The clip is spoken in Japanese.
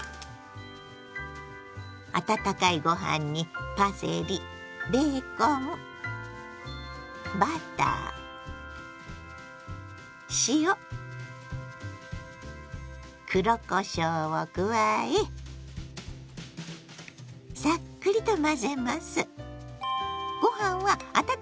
温かいご飯にパセリベーコンバター塩黒こしょうを加えサックリと混ぜます。